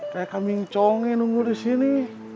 kayak kambing conge nunggu di sini